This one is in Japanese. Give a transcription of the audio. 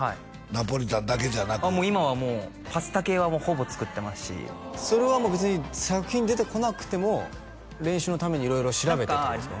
ナポリタンだけじゃなくもう今はもうパスタ系はほぼ作ってますしそれは別に作品に出てこなくても練習のために色々調べてってことですか？